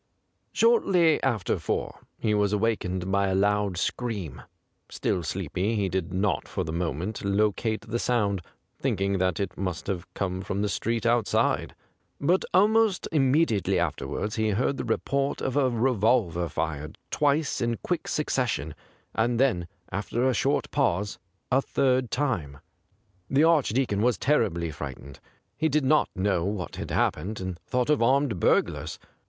Shortly after four he was awak ened by a loud scream. Still sleepy, he did not for the moment locate the sound, thinking that it must have come from the street outside. But almost immediately afterwards he heard the report of a revolver fired 182 THE GRAY CAT twice in quick succession, and then, after a short pause, a third time. The Archdeacon was terribly frightened. He did not know what had happened, and thought of armed burglars.